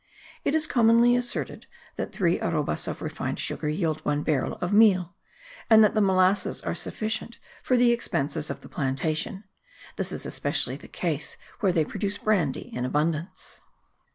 It is commonly asserted that three arrobas of refined sugar yield one barrel of miel, and that the molasses are sufficient for the expenses of the plantation: this is especially the case where they produce brandy in abundance.